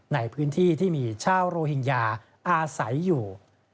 ในพื้นที่ที่มีชาวโรฮิงญาอาศัยอยู่